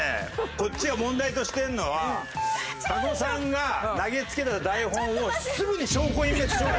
こっちが問題としてるのは加納さんが投げつけた台本をすぐに証拠隠滅しようとしたところ。